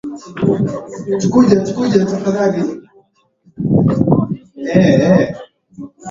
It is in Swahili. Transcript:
na wasomi wengine wanaotafiti suala hili watu